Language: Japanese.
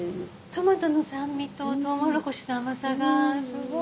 トマトの酸味とトウモロコシの甘さがすごい。